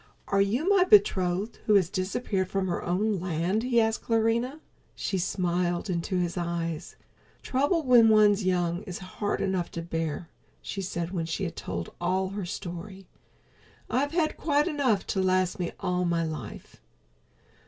"Are you my betrothed who has disappeared from her own land?" he asked Clarinha. She smiled into his eyes. "Trouble when one's young is hard enough to bear," she said when she had told all her story. "I've had quite enough to last me all my life."